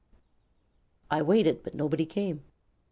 I waited, but nobody came.